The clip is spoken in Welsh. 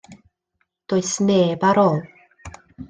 Does neb ar ôl.